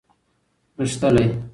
غښتلی